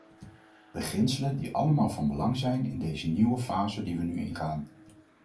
Beginselen die allemaal van belang zijn in deze nieuwe fase die we nu ingaan.